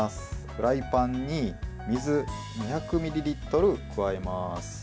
フライパンに水２００ミリリットル加えます。